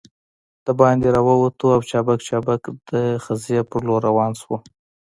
دباندې راووتو او چابک چابک د خزې په لور روان شوو.